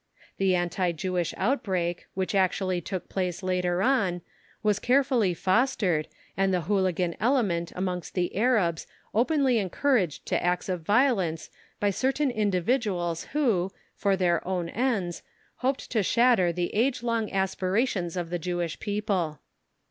The anti Jewish outbreak, which actually took place later on, was carefully fostered, and the hooligan element amongst the Arabs openly encouraged to acts of violence by certain individuals who, for their own ends, hoped to shatter the age long aspirations of the Jewish people.